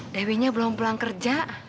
dewinya belum pulang kerja